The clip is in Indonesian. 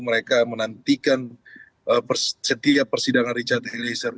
mereka menantikan setiap persidangan richard eliezer